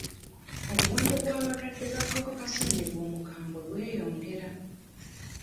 Omuwendo gw'abalwadde b'akawuka ka ssenyiga omukambwe gweyongera.